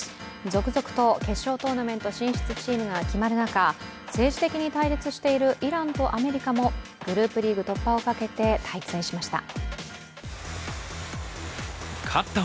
続々と決勝トーナメント進出チームが決まる中政治的に対立しているイランとアメリカもグループリーグ突破をかけて対戦しました。